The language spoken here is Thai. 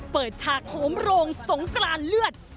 เปิดทางโหมโรงส่งกลานเลือด